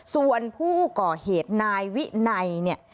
ส่วนผู้ก่อเหตุนายวินัยเนี่ย